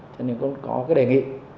cho nên cũng có cái đề nghị